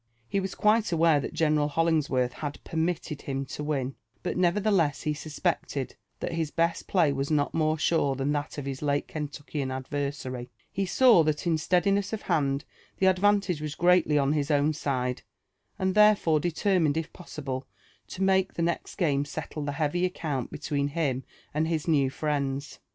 He was quite aware that General Holingsworlh had permitted him to win ; but neverthe less he suspected that his best play was not more sure than that of hii late Kentuckian adversary : he saw that in steadiness of hand the ad^ vantage was greatly on his own side, and therefore determined if pos* sible to make the next game settle the heavy account between him and his new friends.